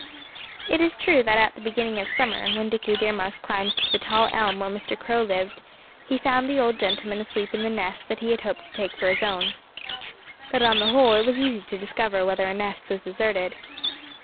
It is true that at the beginning of summer, when Dickie Deer Mouse climbed the tall elm where Mr. Crow lived, he found the old gentleman asleep in the nest that he had hoped to take for his own. But on the whole it was easy to discover whether a nest was deserted.